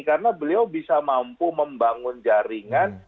karena beliau bisa mampu membangun jaringan